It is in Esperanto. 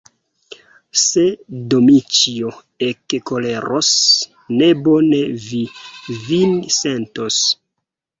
Se Dmiĉjo ekkoleros, nebone vi vin sentos!